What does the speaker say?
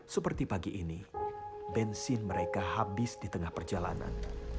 seperti pagi ini bensin mereka habis di tengah perjalanan